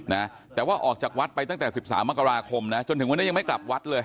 นะแต่ว่าออกจากวัดไปตั้งแต่สิบสามมกราคมนะจนถึงวันนี้ยังไม่กลับวัดเลย